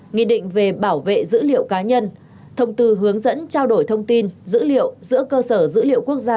nghị định về bảo vệ dữ liệu cá nhân thông tư hướng dẫn trao đổi thông tin dữ liệu giữa cơ sở dữ liệu quốc gia